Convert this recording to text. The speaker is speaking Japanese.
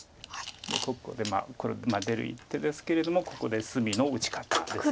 ここで黒出る一手ですけれどもここで隅の打ち方です。